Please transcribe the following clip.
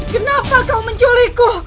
kenapa kau menculikku